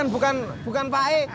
bukan bukan pak e